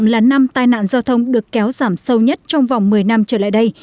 là năm tai nạn giao thông được kéo giảm sâu nhất trong vòng một mươi năm trở lại đây